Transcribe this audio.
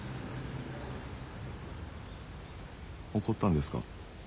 怒ったんですか？